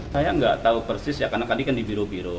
saya nggak tahu persis ya karena tadi kan di biru biru